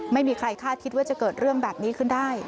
ไม่มีใครคาดคิดว่าจะเกิดเรื่องแบบนี้ขึ้นได้